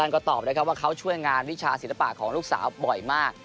ก็ตอบว่าเขาช่วยวิชาศิลปะของลูกสาวเบาะมาก